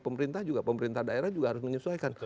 pemerintah juga pemerintah daerah juga harus menyesuaikan